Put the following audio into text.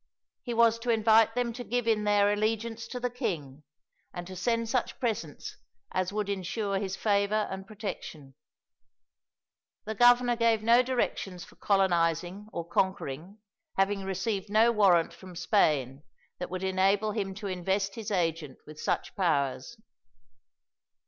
He was to invite them to give in their allegiance to the king, and to send such presents as would ensure his favor and protection. The governor gave no directions for colonizing or conquering, having received no warrant from Spain that would enable him to invest his agent with such powers.